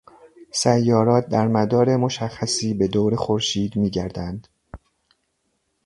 سیارات در مدار مشخصی به دور خورشید میگردند